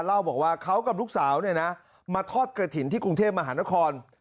เล่าบอกว่าเขากับลูกสาวเนี่ยนะมาทอดกระถิ่นที่กรุงเทพมหานคร